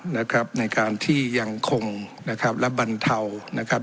นะครับในการที่ยังคงนะครับและบรรเทานะครับ